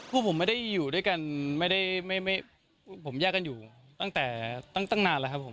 คือผมไม่ได้อยู่ด้วยกันไม่ได้ผมแยกกันอยู่ตั้งแต่ตั้งนานแล้วครับผม